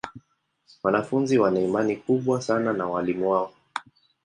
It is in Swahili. Wanafunzi wana imani kubwa sana na walimu wao.